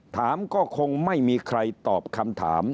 ถามก็คงไม่มีใครตอบคำถาม